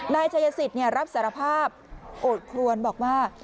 นายชายสิทธิ์รับสารภาพโอดครวนบอกว่า